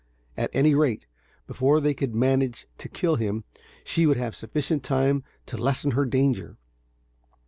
At any rate, before they could manage to kill him, she would have sufficient time to lessen her danger.